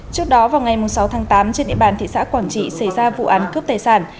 trước đó vào ngày sáu tháng tám trên địa bàn thị xã quảng trị xảy ra vụ án cướp tài sản